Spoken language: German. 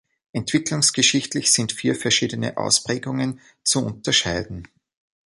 Entwicklungsgeschichtlich sind vier verschiedene Ausprägungen zu unterscheiden.